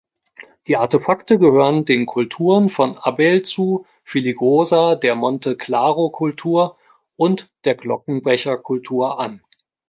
Die Artefakte gehören den Kulturen von Abealzu-Filigosa, der Monte-Claro-Kultur und der Glockenbecherkultur an.